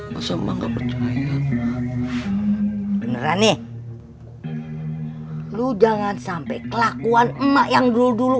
masa emang nggak percaya beneran nih lu jangan sampai kelakuan emak yang dulu